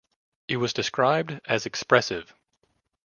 It was described as "expressive".